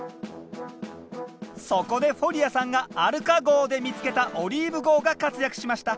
そこでフォリアさんがアルカ号で見つけた「オリーブ号」が活躍しました。